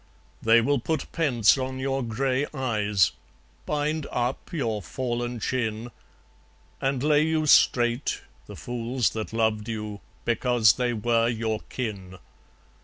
They will put pence on your grey eyes, Bind up your fallen chin, And lay you straight, the fools that loved you Because they were your kin.